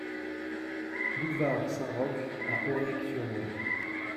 Boulevard Saint-Roch à Aurec-sur-Loire